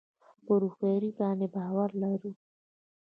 پر هوښیاري باندې باور لرو.